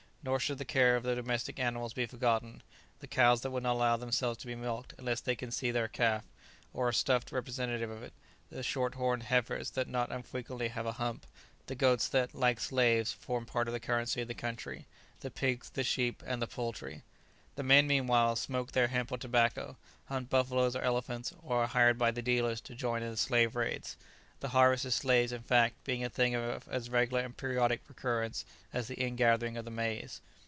Nor should the care of all the domestic animals be forgotten; the cows that will not allow themselves to be milked unless they can see their calf, or a stuffed representative of it; the short horned heifers that not unfrequently have a hump; the goats that, like slaves, form part of the currency of the country; the pigs, the sheep, and the poultry. The men, meanwhile, smoke their hemp or tobacco, hunt buffaloes or elephants, or are hired by the dealers to join in the slave raids; the harvest of slaves, in fact, being a thing of as regular and periodic recurrence as the ingathering of the maize.